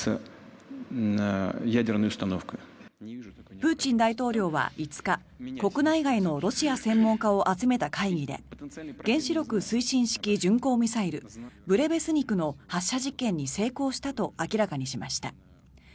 プーチン大統領は５日国内外のロシア専門家を集めた会議で原子力推進式巡航ミサイルブレベスニクの発射実験に成功したと明らかにしました。